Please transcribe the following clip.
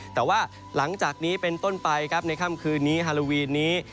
แต่ว่าหลังจากนี้เป็นต้นไปครับในค่ำคืนนี้ฮาโลวีนนี้